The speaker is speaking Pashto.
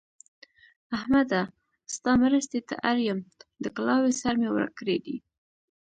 احمده! ستا مرستې ته اړ يم؛ د کلاوې سر مې ورک کړی دی.